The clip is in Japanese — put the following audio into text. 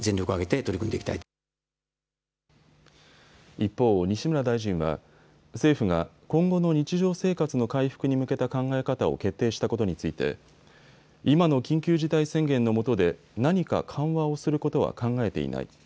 一方、西村大臣は政府が今後の日常生活の回復に向けた考え方を決定したことについて今の緊急事態宣言のもとで何か緩和をすることは考えていない。